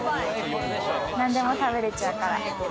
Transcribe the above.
何でも食べられちゃうから。